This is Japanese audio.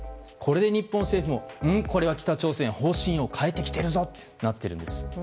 これで日本政府もこれは北朝鮮方針を変えてきているぞとなっているんです。